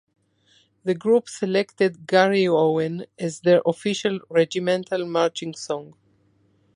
The group selected "Garryowen" as their official regimental marching song.